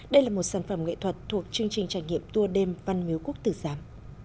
đây là một sản phẩm nghệ thuật thuộc chương trình trải nghiệm tour đêm văn miếu quốc tử giám